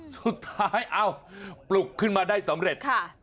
สุดท้ายเอ้าปลุกขึ้นมาได้สำเร็จ